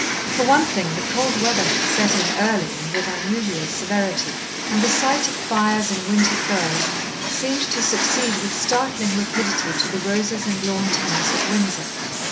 For one thing the cold weather had set in early and with unusual severity, and the sight of fires and winter furs seemed to succeed with startling rapidity to the roses and lawn tennis at Windsor.